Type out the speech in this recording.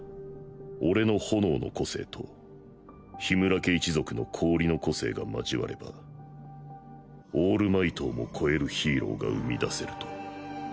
俺の炎の個性と氷叢家一族の氷の個性が交わればオールマイトをも超えるヒーローが産み出せると。